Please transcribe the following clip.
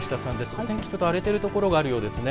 お天気がちょっと荒れてる所があるようですね。